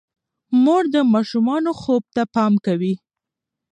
مور د ماشومانو خوب ته پام کوي.